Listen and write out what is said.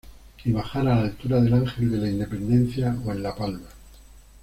Y bajar a la altura del Ángel de la Independencia o en la Palma.